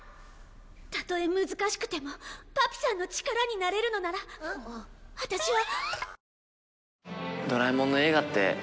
たとえ難しくてもパピさんの力になれるのならワタシは。